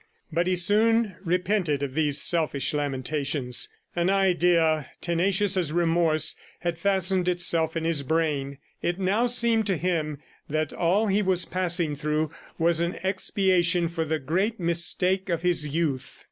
But he soon repented of these selfish lamentations. An idea, tenacious as remorse, had fastened itself in his brain. It now seemed to him that all he was passing through was an expiation for the great mistake of his youth.